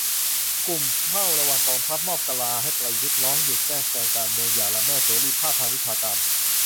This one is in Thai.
กลุ่มเฝ้าระวังกองทัพ มอบกะลาให้ประยุทธ ร้องหยุดแทรกแซงการเมือง อย่าละเมิดเสรีภาพทางวิชาการ